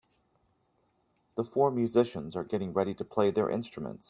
The four musicians are getting ready to play their instruments.